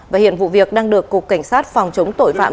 và hiện vụ việc đang được cục cảnh sát phòng chống tội phạm